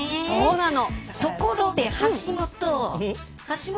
ところで、橋下。